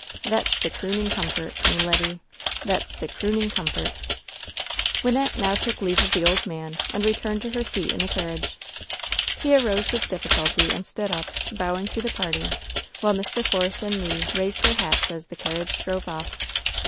Thet's the crooning comfort, me leddy — ^thet's the crooning comfort !" Wynnete now took leave of the old man, and returned to her seat in the carriage. He arose with diflSculty and stood up, bowing to the party, while Mr. Force and Le raised their hats as the carriage drove off.